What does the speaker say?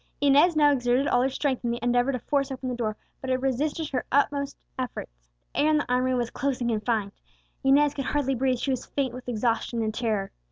Inez now exerted all her strength in the endeavour to force open the door, but it resisted her utmost efforts. The air in the armoury was close and confined. Inez could hardly breathe; she was faint with exhaustion and terror.